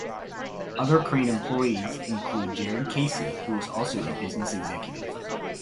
Other Crane employees include Jared Casey, who is also a business executive.